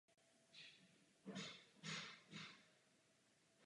Jednou v těch lesích s družinou lovil jakýsi vladyka.